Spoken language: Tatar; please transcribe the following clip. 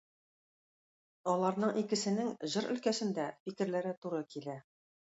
Аларның икесенең җыр өлкәсендә фикерләре туры килә.